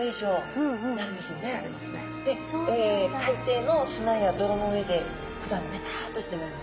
で海底の砂や泥の上でふだんベタッとしてます。